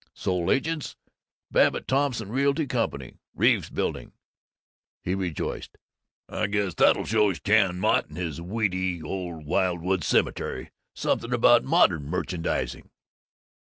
Sole agents BABBITT THOMPSON REALTY COMPANY Reeves Building He rejoiced, "I guess that'll show Chan Mott and his weedy old Wildwood Cemetery something about modern merchandizing!"